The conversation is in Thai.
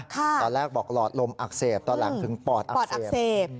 ตอนแรกบอกหลอดลมอักเสบตอนหลังถึงปอดอักเสบ